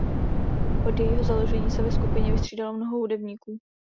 Od jejího založení se ve skupině vystřídalo mnoho hudebníků.